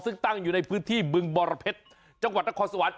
ซึ่งตั้งอยู่ในพื้นที่บึงบรเพชรจังหวัดนครสวรรค์